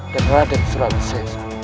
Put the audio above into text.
dan raden sulawesi